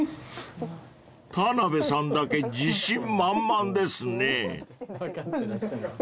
［田辺さんだけ自信満々ですね］